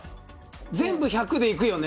全部１００でいくよね。